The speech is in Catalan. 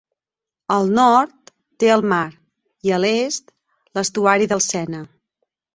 Al nord té el mar i a l'est, l'estuari del Sena.